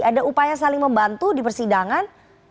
ada upaya saling membantu di persidangan